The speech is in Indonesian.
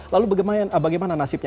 lalu bagaimana nasibnya